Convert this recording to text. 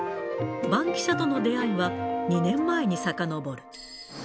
バンキシャとの出会いは、２年前にさかのぼる。